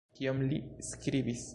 Kion li skribis?